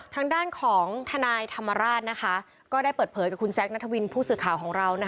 ทางด้านของทนายธรรมราชก็ได้เปิดเผยกับคุณแซคนัทวินผู้สื่อข่าวของเรา